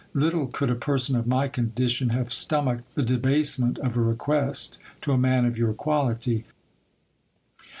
Little could a person of my condition have stomached the debasement of a request, to a man of your quality.